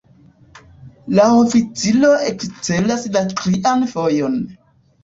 La oficiro ekcelas la trian fojon.